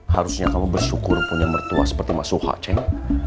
harusnya kamu bersyukur punya mertua seperti mas suha ceng